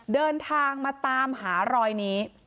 เดินทางมาตามหารอยนี้